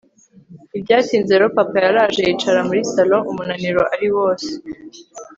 ntibyatinze rero papa yaraje yicara muri salon umunaniro ari wose